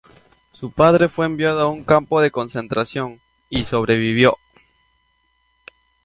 Su padre fue enviado a un campo de concentración, y sobrevivió.